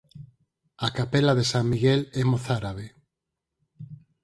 A capela de San Miguel é mozárabe.